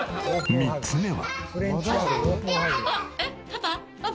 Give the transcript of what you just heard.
３つ目は。